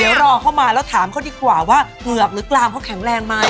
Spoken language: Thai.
เดี๋ยวรอเข้ามาแล้วถามเขาดีกว่าว่าเผือกหรือกลามเขาแข็งแรงไหม